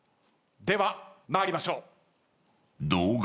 では参りましょう。